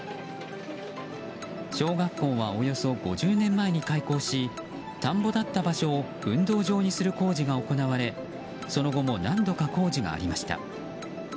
小学校はおよそ５０年前に開校し田んぼだった場所を運動場にする工事が行われその後も何度か工事がありました。